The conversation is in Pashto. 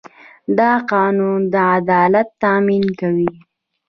دا قانون د عدالت تامین کوي.